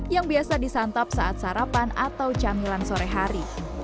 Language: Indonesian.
yang biasa disantap saat sarapan atau camilan sore hari